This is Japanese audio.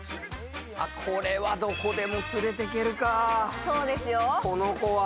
これは、どこでも連れてけるか、この子は。